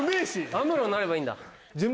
アムロになればいいんだ。